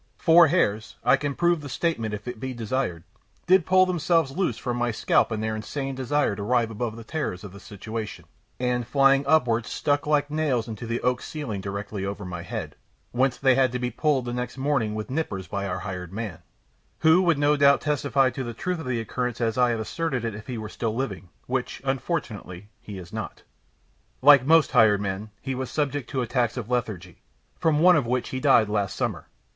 Four hairs I can prove the statement if it be desired did pull themselves loose from my scalp in their insane desire to rise above the terrors of the situation, and, flying upward, stuck like nails into the oak ceiling directly over my head, whence they had to be pulled the next morning with nippers by our hired man, who would no doubt testify to the truth of the occurrence as I have asserted it if he were still living, which, unfortunately, he is not. Like most hired men, he was subject to attacks of lethargy, from one of which he died last summer.